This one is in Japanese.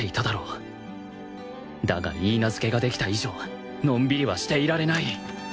だが許嫁ができた以上のんびりはしていられない